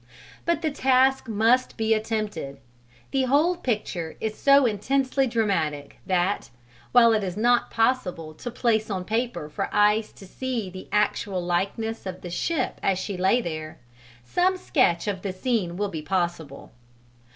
But the task must be attempted: the whole picture is so intensely dramatic that, while it is not possible to place on paper for eyes to see the actual likeness of the ship as she lay there, some sketch of the scene will be possible.